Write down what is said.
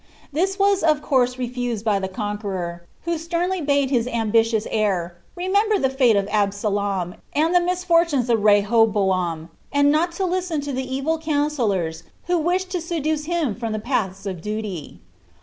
This was of course fbsed by the Conqueror, who sternly bade his ambitious heir ^ remem T the fate of Absalom, and the misfortunes of Rehoboam, and not to (ten to the ievil counsellors who wished to seduce him from the paths ' duty."